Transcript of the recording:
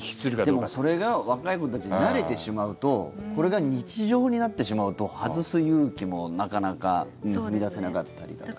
それが若い子たちが慣れてしまうとこれが日常になってしまうと外す勇気もなかなか踏み出せなかったりだとか。